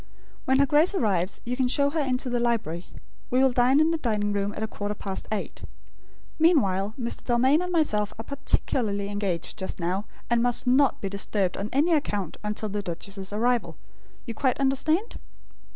When her Grace arrives, you can show her into the library. We will dine in the dining room at a quarter past eight. Meanwhile, Mr. Dalmain and myself are particularly engaged just now, and must not be disturbed on any account, until the duchess's arrival. You quite understand?"